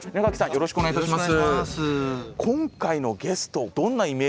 よろしくお願いします。